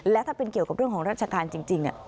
และถ้าเป็นเกี่ยวกับเรื่องของราชการจริง